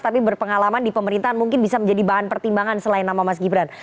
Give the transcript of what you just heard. tapi berpengalaman di pemerintahan mungkin bisa menjadi bahan pertimbangan selain nama mas gibran